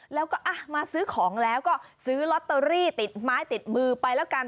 แล้วก็มาซื้อของแล้วก็ซื้อลอตเตอรี่ติดไม้ติดมือไปแล้วกัน